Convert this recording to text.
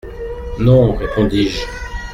—Non, répondis-je.